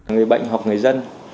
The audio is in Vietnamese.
người bệnh hoặc người dân